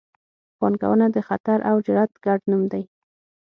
پانګونه د خطر او جرات ګډ نوم دی.